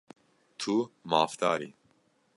Tu mafdar î.